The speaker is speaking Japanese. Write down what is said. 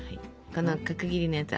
この角切りのやつ